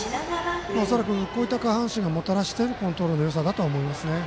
恐らくこういった下半身がもたらしているコントロールのよさだと思います。